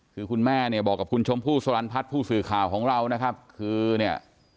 คือคุณแม่เนี่ยบอกกับคุณชมพู่สรรพัฒน์ผู้สื่อข่าวของเรานะครับคือเนี่ย